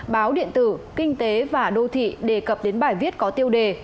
báo điện tử kinh tế và đô thị đề cập đến bài viết có tiêu đề